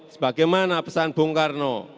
sebagaimana pesan bung karno